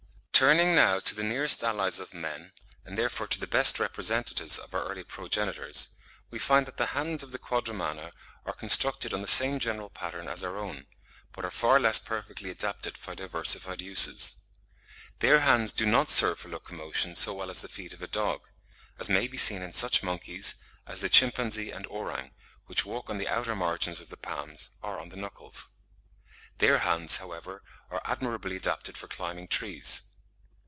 Turning now to the nearest allies of men, and therefore to the best representatives of our early progenitors, we find that the hands of the Quadrumana are constructed on the same general pattern as our own, but are far less perfectly adapted for diversified uses. Their hands do not serve for locomotion so well as the feet of a dog; as may be seen in such monkeys as the chimpanzee and orang, which walk on the outer margins of the palms, or on the knuckles. (69. Owen, 'Anatomy of Vertebrates,' vol. iii. p. 71.) Their hands, however, are admirably adapted for climbing trees.